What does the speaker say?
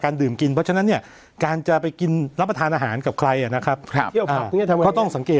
กลุ่มงานถามใช้กรรมประกันขับกำกัดดูแล